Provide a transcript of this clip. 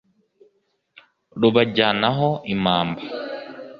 Rubajyanaho impamba